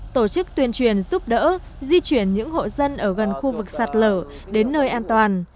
tổ chức tuyên truyền giúp đỡ di chuyển những hộ dân ở gần khu vực sạt lở đến nơi an toàn